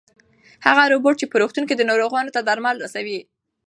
هغه روبوټ چې په روغتون کې دی ناروغانو ته درمل رسوي.